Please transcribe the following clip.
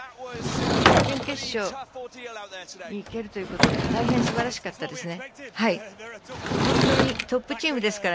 準決勝にいけるということ大変すばらしかったですね。